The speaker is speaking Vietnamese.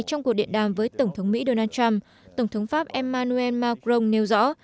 trong cuộc điện đàm với tổng thống mỹ donald trump tổng thống pháp emmanuel macron nêu rõ